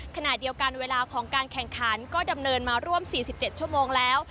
ขณะเดียวกันเวลาของการแข่งขันก็ดำเนินมาร่วม๔๗ชั่วโมงแล้ว